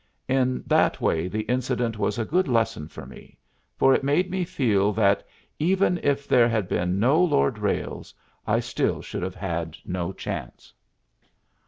In that way the incident was a good lesson for me, for it made me feel that, even if there had been no Lord Ralles, I still should have had no chance.